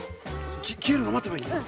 消えるの待てばいいの？